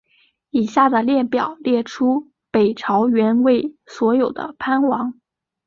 以下的列表列出北朝元魏所有的藩王。